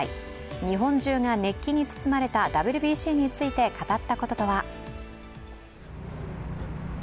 日本中が熱気に包まれたＷＢＣについて語ったこととは。